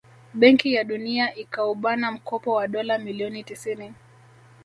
Benki ya Dunia ikaubana mkopo wa dola milioni tisini